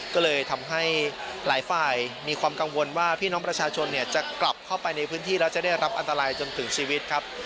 ก็เลยทำให้หลายฝ่ายมีความกังวลว่าพี่น้องประชาชนจะกลับเข้าไปในพื้นที่แล้วจะได้รับอันตรายจนถึงชีวิตครับ